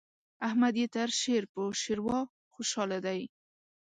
احمد يې تر شير په شېروا خوشاله دی.